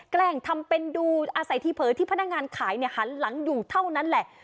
แกล้งทำเป็นดูอาศัยทีเผลอที่พนักงานขายหันหลังอยู่เท่านั้นแหละ